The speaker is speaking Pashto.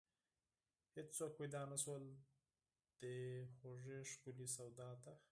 هیڅوک پیدا نشول، دې خوږې ښکلې سودا ته